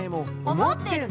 「思ってるの？」